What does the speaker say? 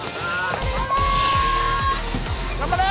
頑張れ！